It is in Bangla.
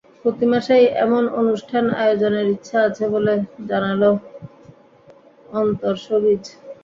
প্রতি মাসেই এমন অনুষ্ঠান আয়োজনের ইচ্ছা আছে বলে জানাল অন্তর শোবিজ।